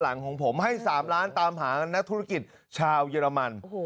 หลังของผมให้๓ล้านตามหานักธุรกิจชาวเยอรมัน